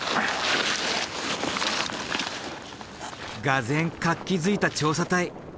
がぜん活気づいた調査隊。